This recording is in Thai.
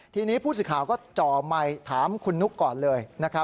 ทีนี้ผู้สื่อข่าวก็จ่อไมค์ถามคุณนุ๊กก่อนเลย